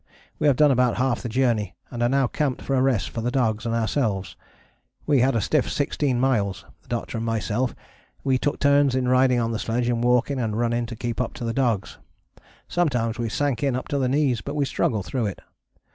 We have done about half the journey and are now camped for a rest for the dogs and ourselves. We had a stiff 16 miles: the Doctor and myself, we took turns in riding on the sledge and walking and running to keep up to the dogs. Sometimes we sank in up to the knees, but we struggled through it.